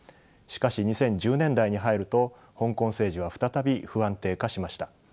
しかし２０１０年代に入ると香港政治は再び不安定化しました。